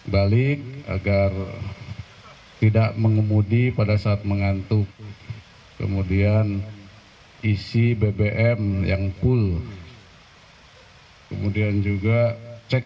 balik agar tidak mengemudi pada saat mengantuk kemudian isi bbm yang full kemudian juga cek